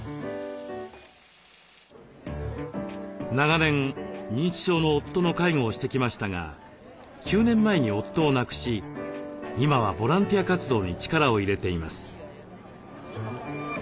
長年認知症の夫の介護をしてきましたが９年前に夫を亡くし今はボランティア活動に力を入れています。